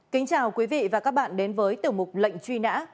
kính chào quý vị và các bạn đến với tiểu mục lệnh truy nã